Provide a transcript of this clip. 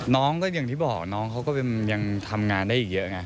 น้องก็อย่างที่บอกน้องเขาก็ยังทำงานได้อีกเยอะไง